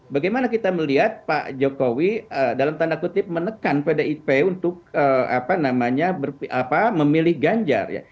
bagaimana kita melihat pak jokowi dalam tanda kutip menekan pdip untuk memilih ganjar ya